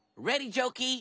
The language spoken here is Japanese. ジョーキー。